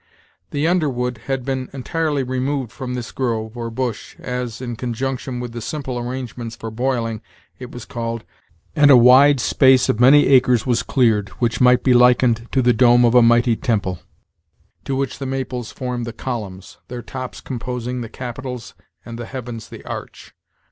The underwood had been entirely removed from this grove, or bush, as, in conjunction with the simple arrangements for boiling, it was called, and a wide space of many acres was cleared, which might be likened to the dome of a mighty temple, to which the maples formed the columns, their tops composing the capitals and the heavens the arch.